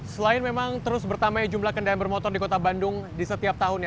selain memang terus bertamai jumlah kendaraan bermotor di kota bandung di setiap tahunnya